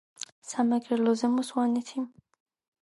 სამეგრელო ზემო სვანეტი